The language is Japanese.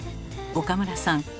岡村さん